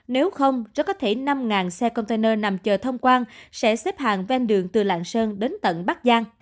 nếu không rất có thể năm xe container nằm chờ thông quan sẽ xếp hàng ven đường từ lạng sơn đến tận bắc giang